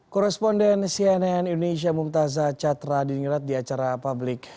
korresponden cnn indonesia mumtazah catra dinirat di acara publik